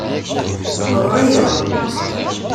Ɣriɣ.